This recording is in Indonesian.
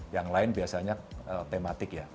yang lain biasanya tematik ya